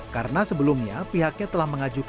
karena sebelumnya pihaknya telah mengajakkan